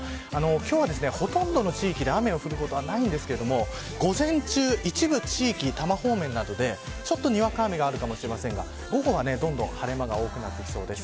今日はほとんどの地域で雨が降ることはないんですが午前中、一部地域多摩方面などでにわか雨があるかもしれませんが午後はどんどん晴れ間が多くなりそうです。